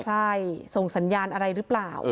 ใช่ส่งสัญญาณอะไรหรือเปล่า